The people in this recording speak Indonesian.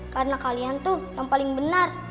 karena kalian tuh yang paling benar